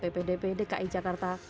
kepala dinas pendidikan dki jakarta